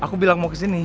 aku bilang mau ke sini